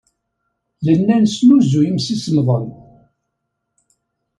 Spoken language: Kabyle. Nella nesnuzuy imsisemḍen.